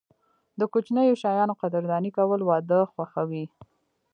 د کوچنیو شیانو قدرداني کول، واده خوښوي.